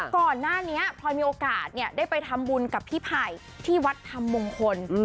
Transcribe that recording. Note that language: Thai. ก่อนหน้านี้พลอยมีโอกาสได้ไปทำบุญกับพี่ไผ่ที่วัดธรรมมงคล